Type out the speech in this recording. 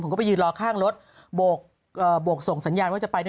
ผมก็ไปยืนรอข้างรถบวกส่งสัญญาณว่าจะไปด้วยนะ